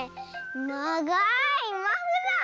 ながいマフラー。